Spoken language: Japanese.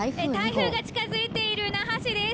台風が近づいている那覇市です。